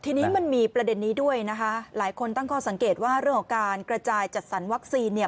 ทีนี้มันมีประเด็นนี้ด้วยนะคะหลายคนตั้งข้อสังเกตว่าเรื่องของการกระจายจัดสรรวัคซีนเนี่ย